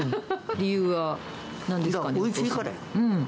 理由はなんですかね？